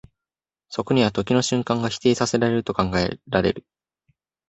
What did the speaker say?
そこには時の瞬間が否定せられると考えられる。